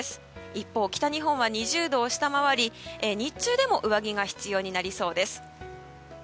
一方、北日本は２０度を下回り日中でも上着が必要になりそうです。